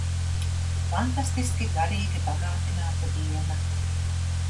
Fantastiski garīgi bagātināta diena!